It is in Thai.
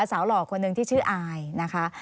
หล่อคนหนึ่งที่ชื่ออายนะคะ